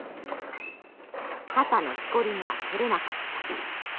肩のしこりが取れなかった。